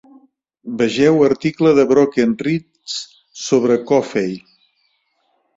Vegeu article de Broken Rites sobre Coffey.